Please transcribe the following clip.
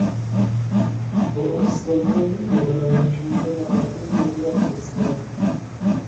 Po odstoupení pohraničí se vrátil do Bratislavy.